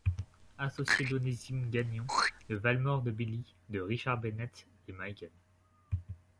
Associé d'Onésime Gagnon, de Valmore de Billy, de Richard Bennett et Meighen.